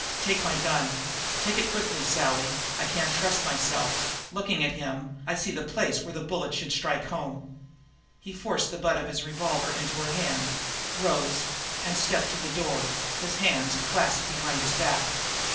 "Take my gun take it quickly, Sally, I can't trust myself; looking at him, I can see the place where the bullet should strike home." He forced the butt of his revolver into her hands, rose, and stepped to the door, his hands clasped behind his back.